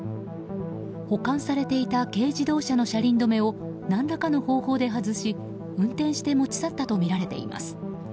保管されていた軽自動車の車輪止めを何らかの方法で外し運転して持ち去ったとみられています。